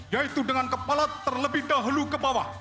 yaitu dengan kepala terlebih dahulu ke bawah